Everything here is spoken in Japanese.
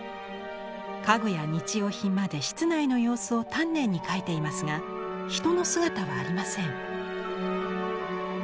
家具や日用品まで室内の様子を丹念に描いていますが人の姿はありません。